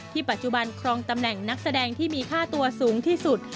ปัจจุบันครองตำแหน่งนักแสดงที่มีค่าตัวสูงที่สุด